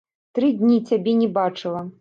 Тры дні цябе не бачыла.